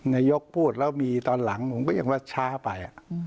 นายกพูดแล้วมีตอนหลังผมก็ยังว่าช้าไป